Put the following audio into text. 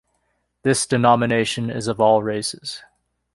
This denomination is of all races.